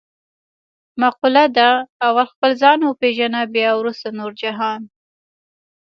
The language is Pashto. مقوله ده: اول خپل ځان و پېژنه بیا ورسته نور جهان.